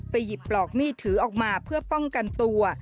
หยิบปลอกมีดถือออกมาเพื่อป้องกันตัว